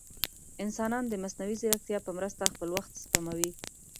انسانان د مصنوعي ځیرکتیا په مرسته خپل وخت سپموي.